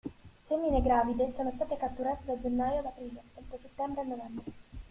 Femmine gravide sono state catturate da gennaio ad aprile e da settembre a novembre.